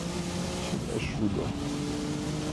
Кидшым ышт рудо.